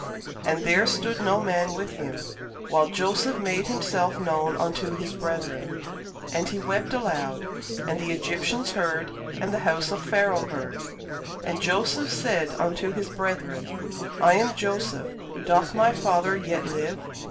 And there stood no man with him, while Joseph made himself known unto his brethren. And he wept aloud: and the Egyptians heard, and the house of Pharaoh heard. And Joseph said unto his brethren, I am Joseph; doth my father yet live?